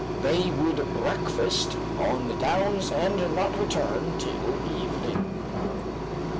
They would breakfast on the downs, and not return till evening.